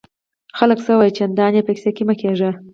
خلک څه وایي؟ چندان ئې په کیسه کي مه کېږه!